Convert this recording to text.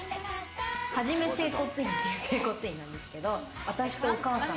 はじめ整骨院という整骨院なんですけれども、私とお母さん